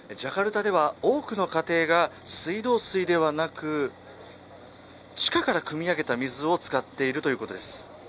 ジャカルタでは多くの家庭が水道水ではなく地下からくみ上げた水を使っているということです。